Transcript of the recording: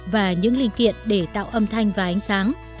và những linh kiện để tạo âm thanh và ánh sáng